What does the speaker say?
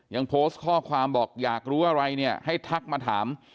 ยังโพสต์ข้อความบอกอยากรู้อะไรเนี่ยให้ทักมาถาม